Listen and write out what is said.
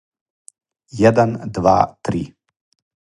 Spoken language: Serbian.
један два три